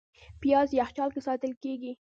پیاز یخچال کې ساتل کېږي